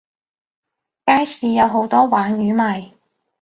街市有好多鯇魚賣